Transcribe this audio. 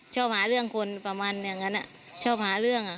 ชอบหาเรื่องคนประมาณอย่างนั้นชอบหาเรื่อง